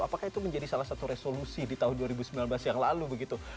apakah itu menjadi salah satu resolusi di tahun dua ribu sembilan belas yang lalu begitu